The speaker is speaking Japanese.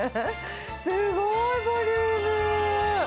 すごいボリューム。